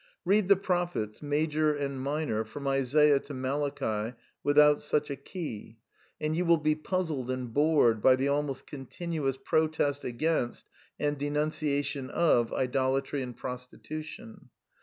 Read the prophets, major and minor, from Isaiah to Malachi, without such a key; and you will be puzzled and bored by the almost continuous pro test against and denunciation of idolatry and prostitution.